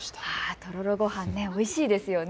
とろろごはんおいしいですよね。